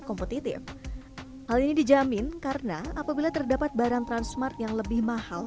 kompetitif hal ini dijamin karena apabila terdapat barang transmart yang lebih mahal